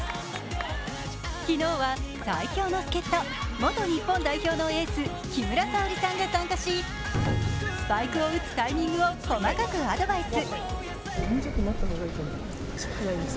昨日は最強の助っと、もと日本代表のエース、木村沙織さんが参加し、スパイクを打つタイミングを細かくアドバイス。